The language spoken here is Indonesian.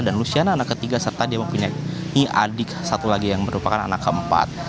dan lusiana anak ketiga serta dia mempunyai adik satu lagi yang merupakan anak keempat